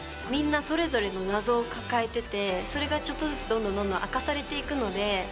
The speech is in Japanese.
みんなそれぞれの謎を抱えていてそれがちょっとずつどんどんどんどん明かされていくので。